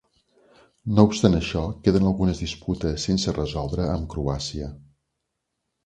No obstant això, queden algunes disputes sense resoldre amb Croàcia.